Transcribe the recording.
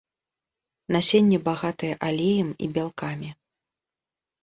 Насенне багатае алеем і бялкамі.